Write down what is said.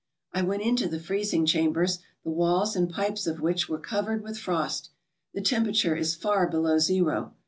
I went into the freezing chambers, the walls and pipes of which were covered with frost. The temperature is far below zero.